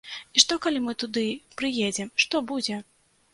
І што, калі мы туды прыедзем, што будзе?